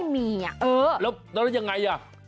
อ๋อแล้วยังไง